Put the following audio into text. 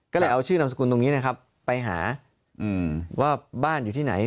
ก็เลยเอาชื่อนามสกุลตรงนี้นะครับไปหาว่าบ้านอยู่ที่ไหน